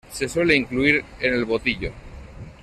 Se suele incluir en el botillo.